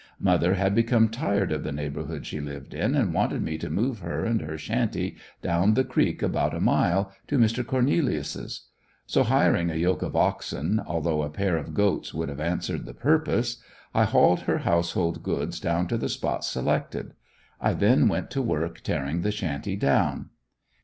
Mother had become tired of the neighborhood she lived in and wanted me to move her and her shanty down the creek about a mile, to Mr. Cornelius's. So hiring a yoke of oxen although a pair of goats would have answered the purpose I hauled her household goods down to the spot selected. I then went to work tearing the shanty down.